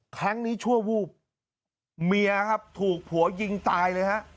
ชั่ววูบเมียครับถูกผัวยิงตายเลยฮะ